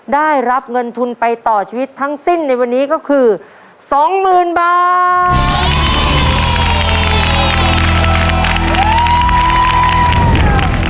ได้รับเงินทุนไปต่อชีวิตทั้งสิ้นในวันนี้ก็คือ๒๐๐๐บาท